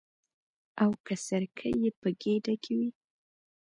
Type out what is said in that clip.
او که سرکه یې په ګېډه کې وي.